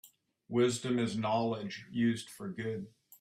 Wisdom is knowledge used for good.